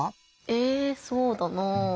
えぇそうだなぁ。